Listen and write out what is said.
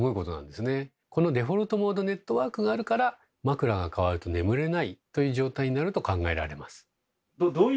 このデフォルトモードネットワークがあるからという状態になると考えられます。